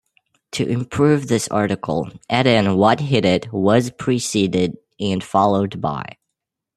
To improve this article, add in what hit it was preceded and followed by.